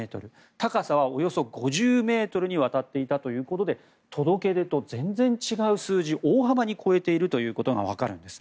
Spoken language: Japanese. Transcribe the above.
高さはおよそ５０ｍにわたっていたということで届け出と全然違う数字大幅に超えているということがわかるんです。